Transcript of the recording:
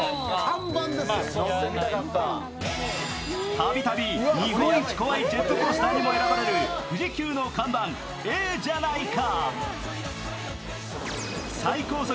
たびたび日本一怖いジェットコースターにも選ばれる富士急の看板、ええじゃないか。